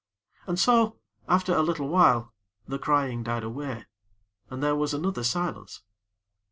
And so, after a little while, the crying died away, and there was another silence.